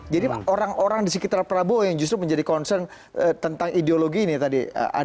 jadi orang orang di sekitar prabowo yang justru menjadi concern tentang ideologi ini tadi